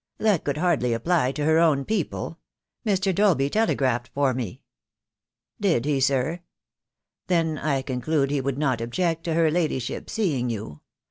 "That would hardly apply to her own people. Mr. Dolby telegraphed for me." "Did he, sir? Then I conclude he would not object to her ladyship seeing you.